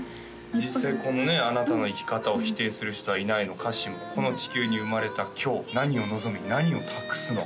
実際このね「あなたの生き方を否定する人はいない」の歌詞も「この地球に生まれた今日何を望み何を託すの？」